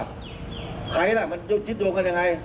ใครล่ะมันชิดโยงกันยังไง